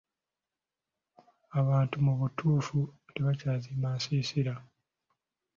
Abantu mu butuufu tebakyazimba nsiisira.